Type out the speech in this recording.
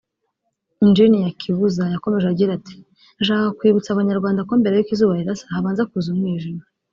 Engineer Kibuza yakomeje agira ati “Nashakaga kwibutsa abanyarwanda ko mbere y’uko izuba rirasa habanza kuza umwijima